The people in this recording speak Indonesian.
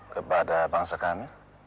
kepada bangsa kami